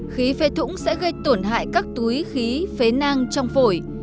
khí phê thủng sẽ gây tổn hại các túi khí phế nang trong phổi